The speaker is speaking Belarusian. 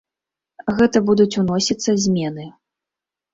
Гэта будуць уносіцца змены.